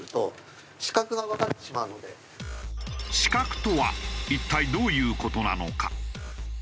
死角とは一体どういう事なのか？